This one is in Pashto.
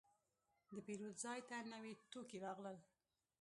د پیرود ځای ته نوي توکي راغلل.